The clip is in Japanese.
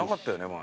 前。